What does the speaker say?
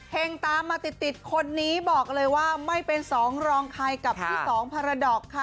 เพลงตามมาติดคนนี้บอกเลยว่าไม่เป็น๒รองไทยกับที่๒พาราดอกค่ะ